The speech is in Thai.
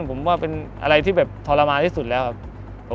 ผมว่าเป็นอะไรที่แบบทรมานที่สุดแล้วครับ